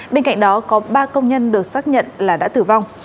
bên cạnh đó có ba công nhân được xác nhận là đã tử vong